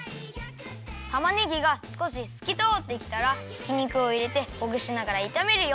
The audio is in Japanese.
たまねぎがすこしすきとおってきたらひき肉をいれてほぐしながらいためるよ。